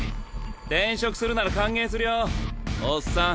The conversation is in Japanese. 転職するなら歓迎するよおっさん。